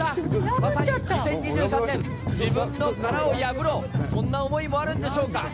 まさに２０２３年、自分の殻を破ろう、そんな思いもあるんでしょうか。